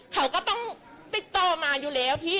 เขาก็ต้องติดต่อมาอยู่แล้วพี่